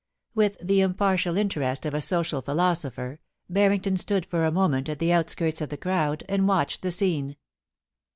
With the impartial interest of a social philosopher, Banington stood for a moment at the outskirts of the crowd, and watched the scene.